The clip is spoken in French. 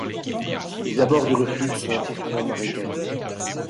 Les abords du refuge sont assez souvent marécageux.